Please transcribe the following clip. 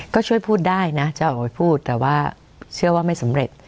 ก็ช่วยพูดได้นะจะออกไปพูดแต่ว่าเชื่อว่าไม่สำเร็จ